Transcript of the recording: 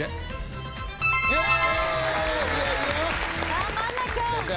頑張んなきゃ。